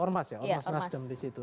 ormas ya ormas nasdem disitu